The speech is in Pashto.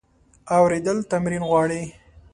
اورېدل تمرین غواړي.